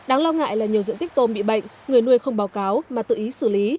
đáng lo ngại là nhiều diện tích tôm bị bệnh người nuôi không báo cáo mà tự ý xử lý